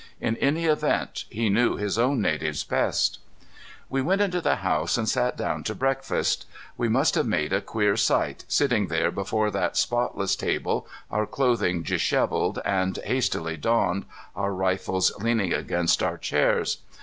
In any event, he knew his own natives best. We went into the house and sat down to breakfast. We must have made a queer sight, sitting there before that spotless table, our clothing disheveled and hastily donned, our rifles leaning against our chairs.